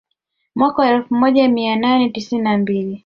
Mwaka wa elfu moja mia nane tisini na mbili